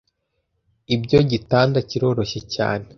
Ibyo gitanda kiroroshye cyane.